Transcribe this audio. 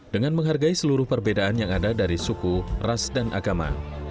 dengan menghargai seluruh perbedaan yang ada dari suku ras dan agama